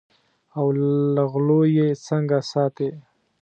او له غلو یې څنګه ساتې.